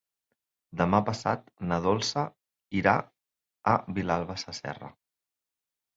Demà passat na Dolça irà a Vilalba Sasserra.